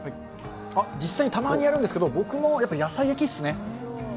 実際にたまにやるんですけど、僕もやっぱり野菜焼きっすね。